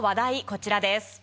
こちらです。